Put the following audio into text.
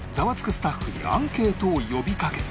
スタッフにアンケートを呼びかけ